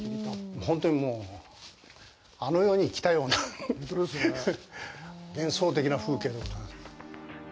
本当に、あの世に来たような幻想的な風景でございます。